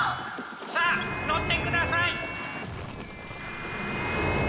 さあ乗ってください。